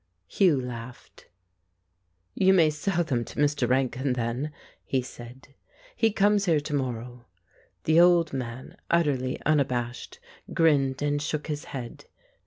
Hugh laughed. "You may sell them to Mr. Rankin then," he said. "He comes here to morrow." The old man, utterly unabashed, grinned and shook his head.